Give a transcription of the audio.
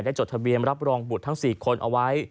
จดทะเบียนรับรองบุตรทั้ง๔คนเอาไว้